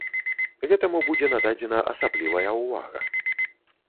Гэтаму будзе нададзена асаблівая ўвага.